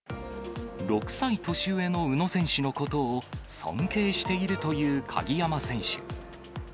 ６歳年上の宇野選手のことを、尊敬しているという鍵山選手。